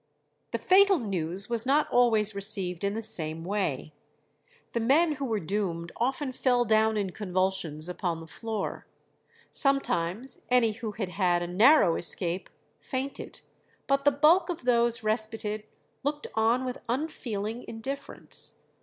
The fatal news was not always received in the same way. The men who were doomed often fell down in convulsions upon the floor. Sometimes any who had had a narrow escape fainted, but the bulk of those respited looked on with unfeeling indifference.